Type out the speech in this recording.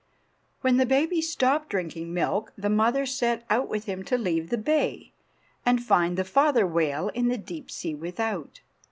When the baby stopped drinking milk the mother set out with him to leave the bay, and find the father whale in the deep sea without.